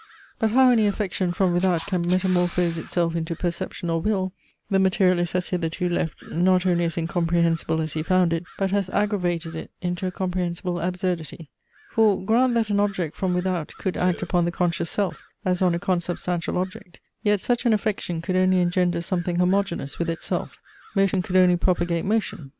But how any affection from without can metamorphose itself into perception or will, the materialist has hitherto left, not only as incomprehensible as he found it, but has aggravated it into a comprehensible absurdity. For, grant that an object from without could act upon the conscious self, as on a consubstantial object; yet such an affection could only engender something homogeneous with itself. Motion could only propagate motion.